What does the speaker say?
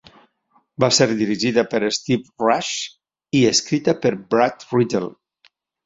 Va ser dirigida per Steve Rash i escrita per Brad Riddell.